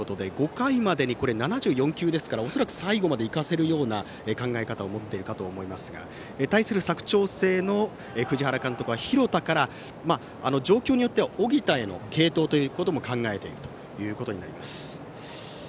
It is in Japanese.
５回までに７４球ですから恐らく最後まで行かせるような考え方を持っているかと思いますが対する、佐久長聖の藤原監督は廣田から状況によっては小北への継投も考えているということになります。